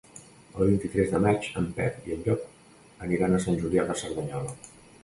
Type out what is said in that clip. El vint-i-tres de maig en Pep i en Llop aniran a Sant Julià de Cerdanyola.